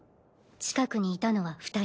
近くにいたのは２人。